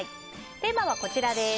テーマはこちらです。